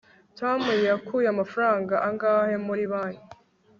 tom yakuye amafaranga angahe muri banki